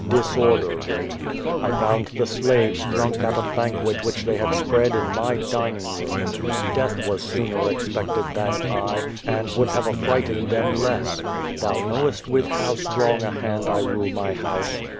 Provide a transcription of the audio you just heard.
Disorder reigned. I found the slaves drunk at a banquet which they had spread in my dining room. Death was sooner expected than I, and would have attrighted them less. Thou knowest with how strong a hand 1 rule my house.